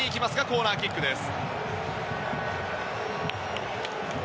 コーナーキックです。